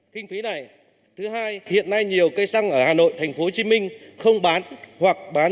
kinh phí này thứ hai hiện nay nhiều cây xăng ở hà nội tp hcm không bán hoặc bán